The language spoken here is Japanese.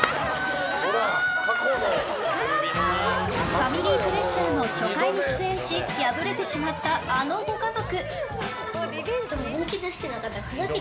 ファミリープレッシャーの初回に出演し敗れてしまった、あのご家族。